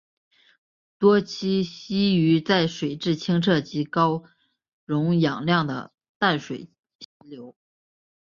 多栖息于在水质清澈及高溶氧量的淡水溪流。